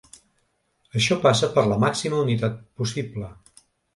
Això passa per la màxima unitat possible.